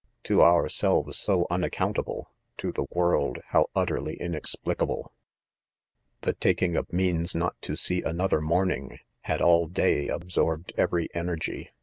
,: to ourseWs how unaccountable ! to the world how utterly inexplicable ! i Tha taking of means not to see .another morning, had all day, absorbed every energy.